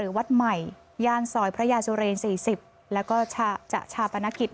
เขาไม่มีความลับผิดสารภาพอะไรเลย